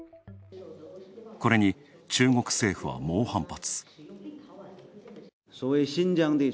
これに中国政府は猛反発。